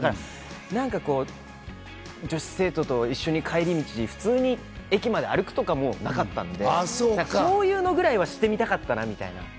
なんか女子生徒と一緒に帰り道、普通に駅まで歩くとかもなかったんで、そういうのぐらいはしてみたかったなみたいな。